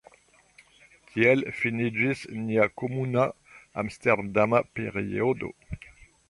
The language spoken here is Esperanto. Tiel finiĝis nia komuna Amsterdama periodo.